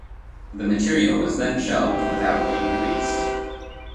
The material was then shelved without being released.